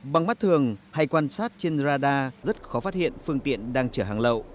bằng mắt thường hay quan sát trên radar rất khó phát hiện phương tiện đang chở hàng lậu